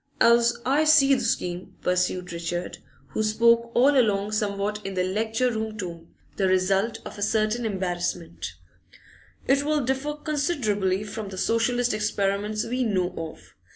'As I see the scheme,' pursued Richard, who spoke all along somewhat in the lecture room tone, the result of a certain embarrassment, 'it will differ considerably from the Socialist experiments we know of.